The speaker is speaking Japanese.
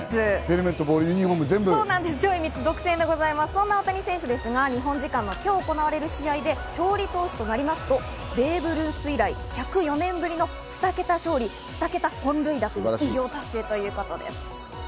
そんな大谷選手ですが、日本時間の今日、行われる試合で勝利投手となれば、ベーブ・ルース以来１０４年ぶりの２桁勝利、２桁本塁打の偉業達成ということです。